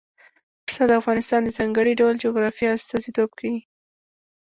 پسه د افغانستان د ځانګړي ډول جغرافیه استازیتوب کوي.